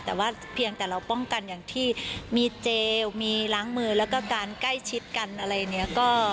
แต่ว่าเพียงแต่เราป้องกันอย่างที่มีเจลมีล้างมือแล้วก็การใกล้ชิดกันอะไรเนี่ย